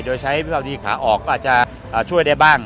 โดยใช้วิภาวดีขาออกก็อาจจะช่วยได้บ้าง